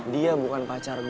dia bukan pacar gue